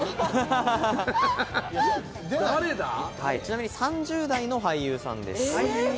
ちなみに３０代の俳優さんです。